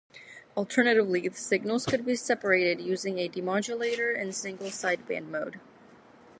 Alternatively, the signals could be separated using a demodulator in single sideband mode.